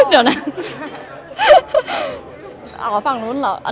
อเรนนี่มีหลังไม้ไม่มี